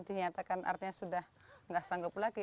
dinyatakan artinya sudah tidak sanggup lagi